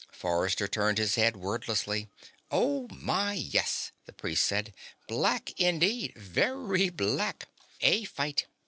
Forrester turned his head wordlessly. "Oh, my, yes," the priest said. "Black indeed. Very black. A fight.